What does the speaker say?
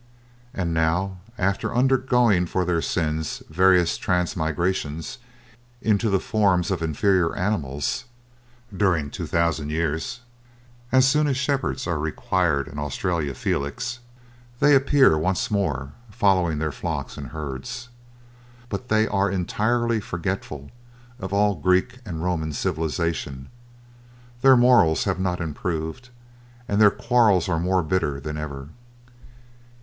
And now, after undergoing for their sins various transmigrations into the forms of inferior animals, during two thousand years, as soon as shepherds are required in Australia Felix, they appear once more following their flocks and herds. But they are entirely forgetful of all Greek and Roman civilization; their morals have not improved, and their quarrels are more bitter than ever.